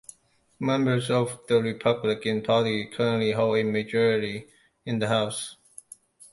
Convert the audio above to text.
Members of the Republican Party currently hold a majority in the House.